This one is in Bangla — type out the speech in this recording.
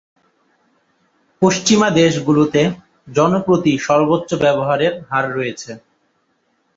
পশ্চিমা দেশগুলিতে জনপ্রতি সর্বোচ্চ ব্যবহারের হার রয়েছে।